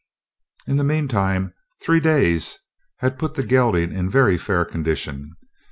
In the meantime, three days had put the gelding in very fair condition.